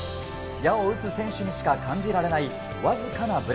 矢を射つ選手にしか感じられないわずかなブレ。